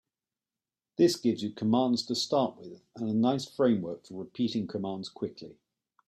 This gives you commands to start with and a nice framework for repeating commands quickly.